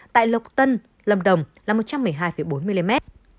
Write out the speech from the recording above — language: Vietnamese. tại lộc tân lâm đồng là một trăm một mươi hai bốn mm